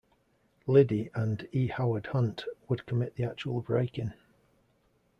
Liddy and E. Howard Hunt would commit the actual break-in.